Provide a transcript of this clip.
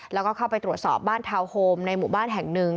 แล้วก็เข้าไปตรวจสอบบ้านทาวน์โฮมในหมู่บ้านแห่งหนึ่ง